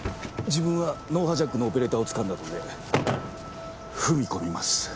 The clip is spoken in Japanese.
自分は脳波ジャックのオペレーターをつかんだので踏み込みます。